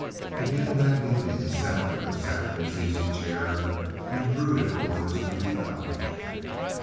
Again that evening the Senator sat in his easy chair and brooded over this new development.